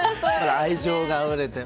愛情があふれて。